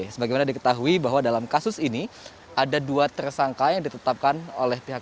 sebagaimana diketahui bahwa dalam kasus ini ada dua tersangka yang ditetapkan oleh pihak